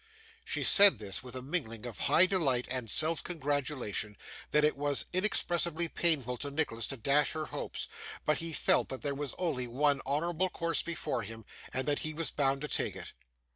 She said this with such a mingling of high delight and self congratulation, that it was inexpressibly painful to Nicholas to dash her hopes; but he felt that there was only one honourable course before him, and that he was bound to take it.